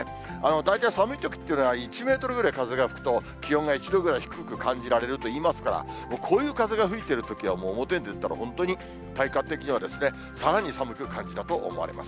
大体寒いときっていうのは、１メートルぐらい風が吹くと気温が１度ぐらい低く感じられるといいますから、こういう風が吹いているときはもう、表に出たら、本当に体感的にはさらに寒く感じたと思われます。